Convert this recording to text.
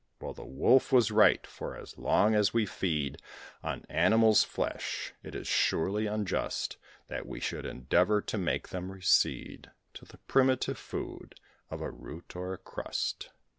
Well, the Wolf was right; for as long as we feed On animals' flesh, it is surely unjust That we should endeavour to make them recede To the primitive food of a root or a crust.